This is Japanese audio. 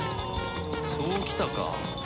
そうきたか。